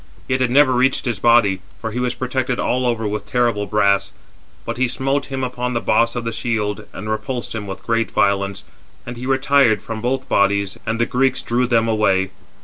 Yet it never reached his body, for he was protected all over with terrible brass; but he smote him upon the boss of the shield, and repulsed him with great violence; and he retired from both bodies, and the Greeks drew them away.